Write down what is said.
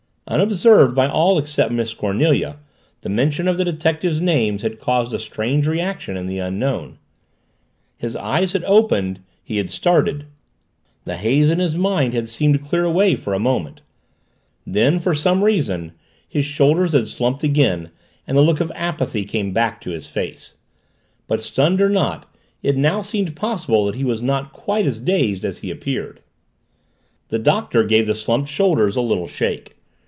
Unobserved by all except Miss Cornelia, the mention of the detective's name had caused a strange reaction in the Unknown. His eyes had opened he had started the haze in his mind had seemed to clear away for a moment. Then, for some reason, his shoulders had slumped again and the look of apathy come back to his face. But, stunned or not, it now seemed possible that he was not quite as dazed as he appeared. The Doctor gave the slumped shoulders a little shake.